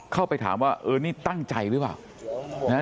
เข้าไปถามว่าเออนี่ตั้งใจหรือเปล่านะฮะ